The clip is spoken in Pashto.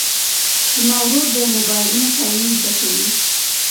زما ورور د موبایلونو ترمیم زده کوي.